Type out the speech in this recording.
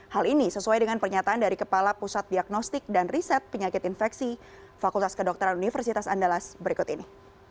hal ini sesuai dengan pernyataan dari kepala pusat diagnostik dan riset penyakit infeksi fakultas kedokteran universitas andalas berikut ini